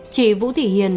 chị vũ thị hiền